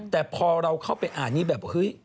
แต่พอเราเข้าไปอ่านนี้แบบเฮ้ย